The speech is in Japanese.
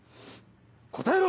答えろ！